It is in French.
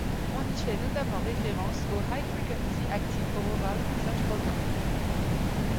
On y fait notamment référence au High Frequency Active Auroral Research Program.